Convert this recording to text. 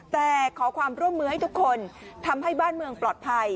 แต่ขอความร่วมมือให้ทุกคนทำให้บ้านเมืองปลอดภัย